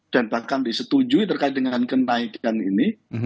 dan bahkan disetujui terkait dengan kenaikan ini